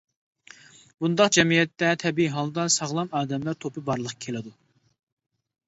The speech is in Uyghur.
بۇنداق جەمئىيەتتە تەبىئىي ھالدا ساغلام ئادەملەر توپى بارلىققا كېلىدۇ.